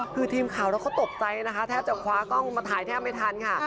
คือทีมข่าวเราก็ตกใจนะคะแทบจะคว้ากล้องมาถ่ายแทบไม่ทันค่ะ